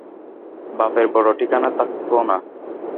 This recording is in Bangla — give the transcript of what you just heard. বাপের বড় ঠিকানা থাকত না।